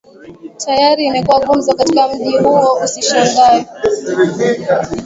tayari imekuwa gumzo katika mji huo Usishangae